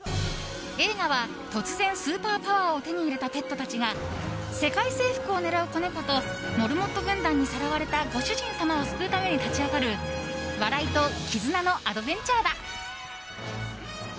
映画は突然、スーパーパワーを手に入れたペットたちが世界征服を狙う子猫とモルモット軍団にさらわれたご主人様を救うために立ち上がる笑いと絆のアドベンチャーだ。